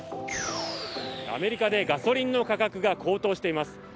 アメリカでガソリンの価格が高騰しています。